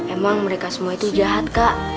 emang mereka semua itu jahat kak